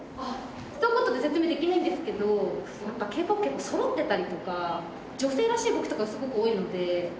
ひと言で説明できないんですけどＫ−ＰＯＰって結構そろってたりとか女性らしい動きとかすごく多いので。